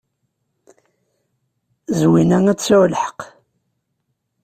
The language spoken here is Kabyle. Zwina ad tesɛu lḥeqq.